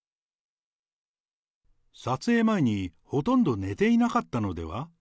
撮影前にほとんど寝ていなかったのでは？